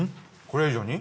これ以上に？